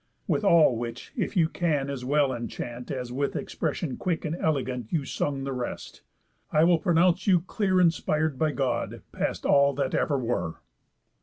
With all which if you can as well enchant, As with expression quick and elegant You sung the rest, I will pronounce you clear Inspir'd by God, past all that ever were."